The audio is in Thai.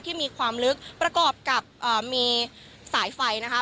มีความลึกประกอบกับมีสายไฟนะคะ